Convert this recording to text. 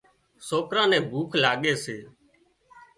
سوڪران نين ڀوک لاڳي سي